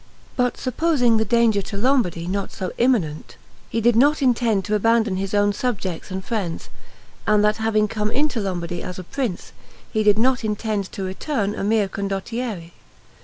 But supposing the danger to Lombardy not so imminent, he did not intend to abandon his own subjects and friends, and that having come into Lombardy as a prince, he did not intend to return a mere condottiere.